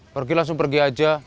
pergi langsung pergi aja